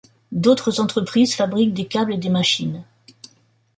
D'autres entreprises fabriquent des câbles et des machines.